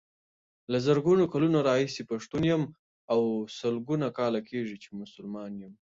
له زرګونو کلونو راهيسې پښتون يم او سلګونو کاله کيږي چې مسلمان يم.